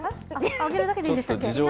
挙げるだけでいいんでしたっけ。